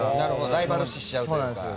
ライバル視しちゃうというか。